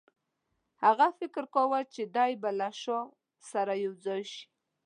هغه فکر کاوه چې دی به له شاه سره یو ځای شي.